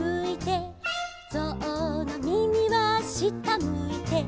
「ぞうのみみは下むいて」